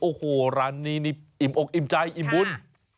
โอ้โหร้านนี้นี่อิ่มอกอิ่มใจอิ่มบุญ